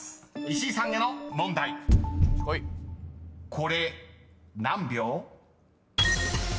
［これ何秒？］